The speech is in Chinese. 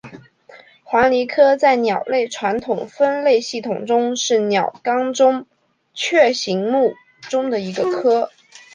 黄鹂科在鸟类传统分类系统中是鸟纲中的雀形目中的一个科。